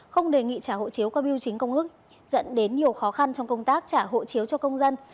không đề nghị trả hộ chiếu qua biêu chính công ước dẫn đến nhiều khó khăn trong công tác trả hộ chiếu cho công dân